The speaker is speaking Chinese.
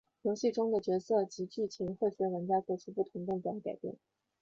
游戏中的角色及剧情会随玩家作出的不同动作而改变。